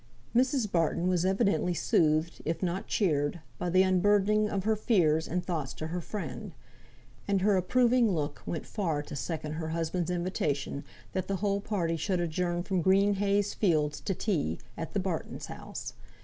Mrs. Barton was evidently soothed, if not cheered, by the unburdening of her fears and thoughts to her friend; and her approving look went far to second her husband's invitation that the whole party should adjourn from Green Heys Fields to tea, at the Bartons' house.